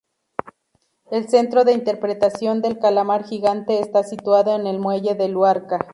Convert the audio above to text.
El Centro de Interpretación del Calamar Gigante está situado en el muelle de Luarca.